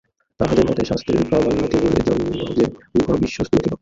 তাঁহাদের মতে শাস্ত্রের প্রামাণ্য কেবল এইজন্য যে, উহা বিশ্বস্ত লোকের বাক্য।